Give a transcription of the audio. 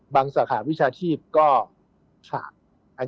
สาขาวิชาชีพก็ขาด